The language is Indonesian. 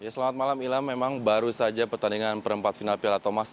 selamat malam ila memang baru saja pertandingan perempat final piala thomas